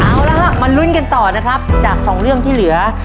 เอาละฮะมาลุ้นกันต่อนะครับจากสองเรื่องที่เหลือ